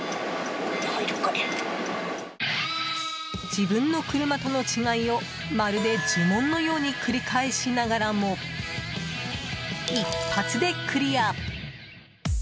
自分の車との違いをまるで呪文のように繰り返しながらも一発でクリア！